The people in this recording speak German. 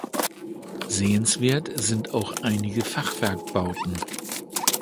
Sehenswert sind auch einige Fachwerkbauten.